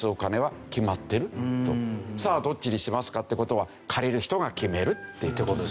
さあどっちにしますか？って事は借りる人が決める。って事ですよね。